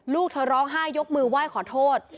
ลูกเธอร้องไห้ยกมือไหว้ขอโทษ